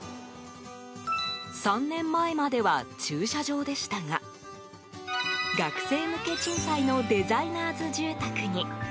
３年前までは駐車場でしたが学生向け賃貸のデザイナーズ住宅に。